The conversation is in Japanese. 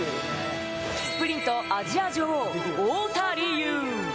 スプリント、アジア女王・太田りゆ。